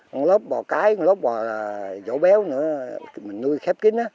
một lớp bò cái một lớp bò dỗ béo nữa mình nuôi khép kín á